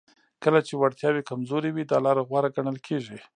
کله چې وړتیاوې کمزورې وي دا لاره غوره ګڼل کیږي